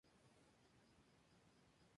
Se encuentra en Namibia.